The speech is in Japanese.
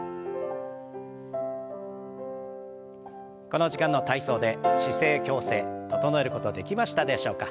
この時間の体操で姿勢矯正整えることできましたでしょうか？